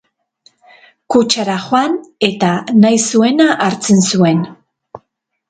Kutxara joan, eta nahi zuena hartzen zuen.